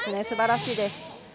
すばらしいです。